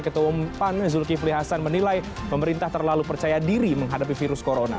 ketua umum pan zulkifli hasan menilai pemerintah terlalu percaya diri menghadapi virus corona